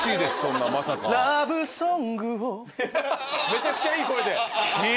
めちゃくちゃいい声で。